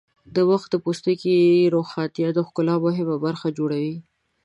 د مخ د پوستکي روښانتیا د ښکلا مهمه برخه جوړوي.